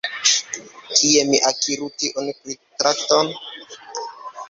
Kie mi akiru tiun pritrakton?